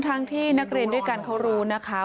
ทั้งที่นักเรียนด้วยกันเขารู้นะคะ